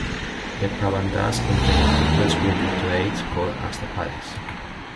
The Prabandhas contain couplets grouped into eights, called ashtapadis.